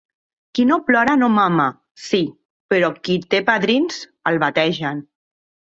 Qui no plora no mama, sí; però qui té padrins, el bategen.